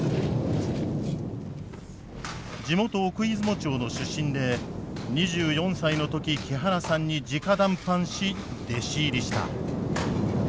地元奥出雲町の出身で２４歳の時木原さんにじか談判し弟子入りした。